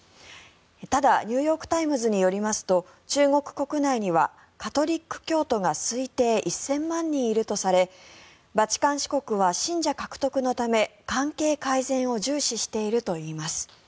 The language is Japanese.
ただ、ニューヨーク・タイムズによりますと中国国内にはカトリック教徒が推定１０００万人いるとされバチカン市国は信者獲得のため関係改善を重視しているといいます。